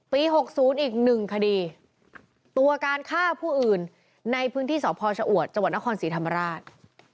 ปีหกศูนย์อีกหนึ่งคดีตัวการฆ่าผู้อื่นในพื้นที่สอบพอชะอวดจังหวัดนครศรีธรรมราช